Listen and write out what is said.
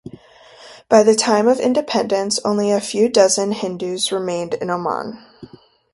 By the time of independence, only a few dozen Hindus remained in Oman.